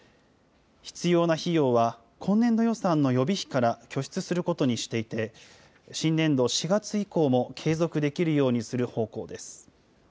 必要な費用は、今年度予算の予備費から拠出することにしていて、新年度４月以降も継続できるようにする方向です。